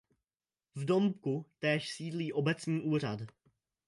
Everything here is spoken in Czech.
V domku též sídlí obecní úřad.